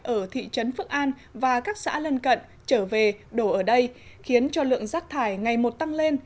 ở thị trấn phước an và các xã lân cận trở về đổ ở đây khiến cho lượng rác thải ngày một tăng lên